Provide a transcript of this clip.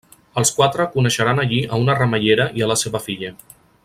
Els quatre coneixeran allí a una remeiera i a la seva filla.